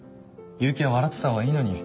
結城は笑ってたほうがいいのに。